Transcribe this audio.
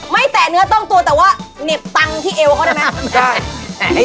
แตะเนื้อต้องตัวแต่ว่าเหน็บตังค์ที่เอวเขาได้ไหมครับ